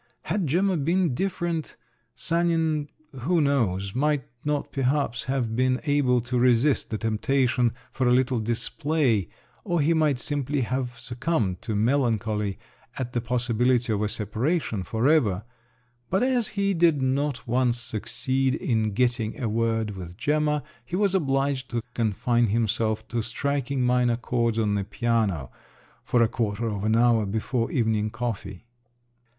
Had Gemma been different—Sanin … who knows?… might not perhaps have been able to resist the temptation for a little display—or he might simply have succumbed to melancholy at the possibility of a separation for ever…. But as he did not once succeed in getting a word with Gemma, he was obliged to confine himself to striking minor chords on the piano for a quarter of an hour before evening coffee.